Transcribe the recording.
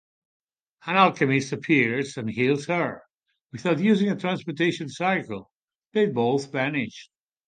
An alchemist appears and heals her, without using a trasmutation circle; they both vanish.